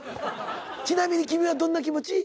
ちなみに君はどんな気持ち？